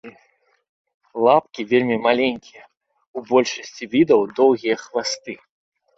Лапкі вельмі маленькія, у большасці відаў доўгія хвасты.